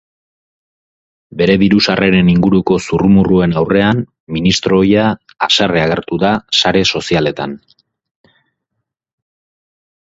Bere dirusarreren inguruko zurrumurruen aurrean, ministro ohia haserre agertu da sare sozialetan.